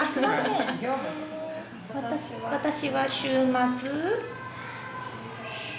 私は週末。